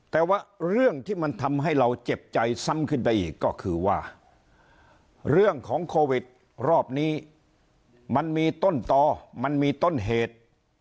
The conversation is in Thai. แต่ว่าเรื่องที่มันทำให้เราเจ็บใจซ้ำขึ้นไปอีกก็คือว่าเรื่องของโควิดรอบนี้มันมีต้นต่อมันมีต้นเหตุ